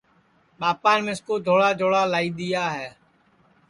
ٻاپان مِسکُو دھوݪا جوڑا لائی دؔیا ہے